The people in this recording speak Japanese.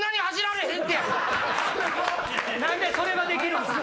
何でそれはできるんすか！